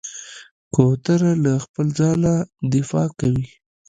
کوتره له خپل ځاله دفاع کوي.